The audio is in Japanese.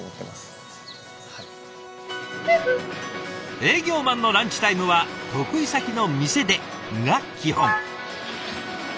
営業マンのランチタイムは得意先の店でが基本。